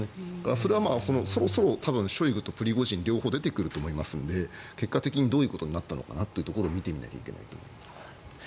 それは、そろそろショイグとプリゴジン両方出てくると思いますので結果的にどういうことになったのか見ていかないといけないと思います。